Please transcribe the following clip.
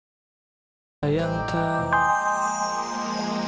irdemisya namat high tempo